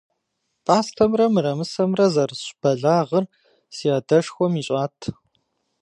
Пӏастэмрэ мэрэмысэмрэ зэрысщӏ бэлагъыр си адшхуэм ищӏат.